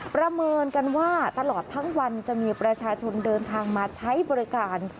ประเมินกันว่าตลอดทั้งวันจะมีประชาชนเดินทางมาใช้บริการ